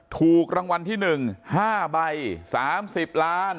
ถูกรางวัลที่๑๕ใบ๓๐ล้าน